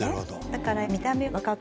だから。